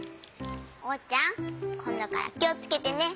おうちゃんこんどからきをつけてね。